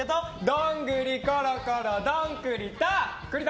どんぐりころころどん栗田！